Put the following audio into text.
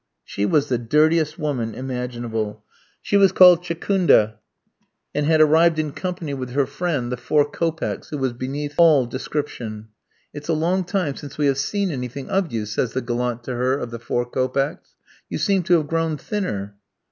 She was the dirtiest woman imaginable. She was called Tchekunda, and had arrived in company with her friend, the "four kopecks," who was beneath all description. "It's a long time since we have seen anything of you," says the gallant to her of the four kopecks; "you seem to have grown thinner."